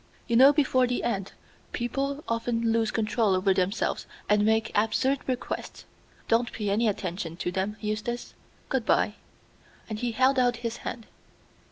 You know, before the end people often lose control over themselves and make absurd requests. Don't pay any attention to them, Eustace. Good by!" and he held out his hand.